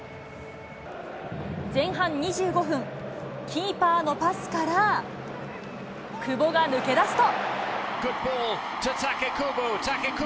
前半２５分、キーパーのパスから久保が抜け出すと。